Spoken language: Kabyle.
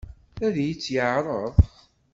Ad iyi-tt-yeɛṛeḍ?